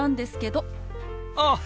あっ！